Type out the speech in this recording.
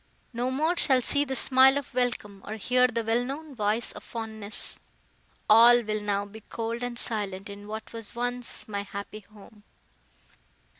—no more shall see the smile of welcome, or hear the well known voice of fondness:—all will now be cold and silent in what was once my happy home."